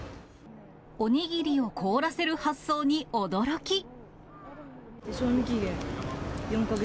おにぎりを凍らせる発想に驚賞味期限４か月。